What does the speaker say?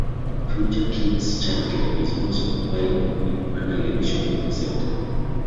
Future Kids childcare is also available in Manor Lakes shopping centre.